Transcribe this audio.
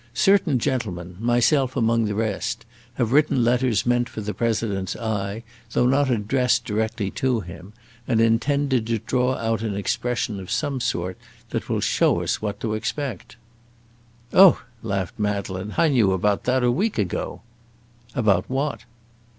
Certain gentlemen, myself among the rest, have written letters meant for the President's eye, though not addressed directly to him, and intended to draw out an expression of some sort that will show us what to expect." "Oh!" laughed Madeleine, "I knew about that a week ago." "About what?"